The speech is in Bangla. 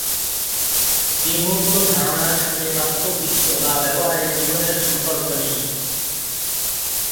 বিমূর্ত ধারণার সাথে বাস্তব বিশ্ব বা ব্যবহারিক জীবনের সম্পর্ক নেই।